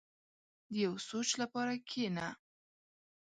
• د یو سوچ لپاره کښېنه.